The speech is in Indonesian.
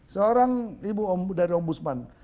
seorang ibu dari om busman